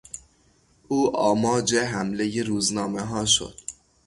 او آماج حملهی روزنامهها شد.